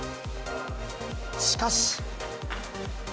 しかし。